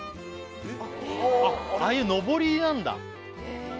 ああいうのぼりなんだへ